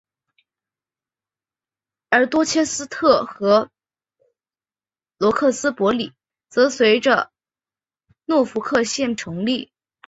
而多切斯特和罗克斯伯里则随着诺福克县成立。